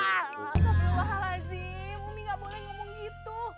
alhamdulillah alazim umi gak boleh ngomong gitu